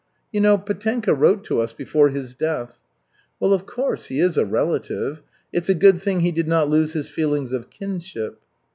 "You know, Petenka wrote to us before his death." "Well, of course, he is a relative. It's a good thing he did not lose his feelings of kinship."